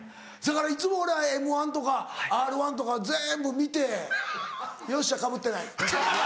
そやからいつも俺『Ｍ−１』とか『Ｒ−１』とか全部見て「よっしゃかぶってない」。